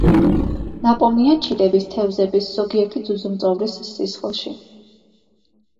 ნაპოვნია ჩიტების, თევზების, ზოგიერთი ძუძუმწოვრის სისხლში.